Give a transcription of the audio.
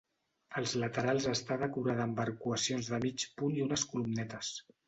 Als laterals està decorada amb arcuacions de mig punt i unes columnetes.